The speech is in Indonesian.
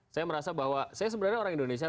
saya merasa bahwa saya sebenarnya orang indonesia